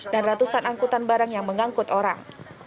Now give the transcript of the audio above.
dan ratusan angkutan barang yang mengangkut orang